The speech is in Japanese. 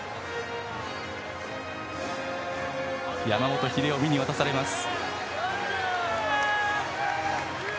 山本英臣に渡されます。